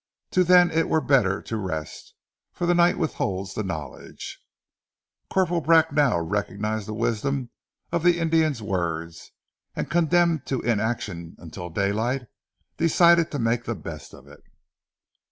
Till then it were better to rest, for the night withholds the knowledge." Corporal Bracknell recognized the wisdom of the Indian's words, and condemned to inaction until daylight, decided to make the best of it.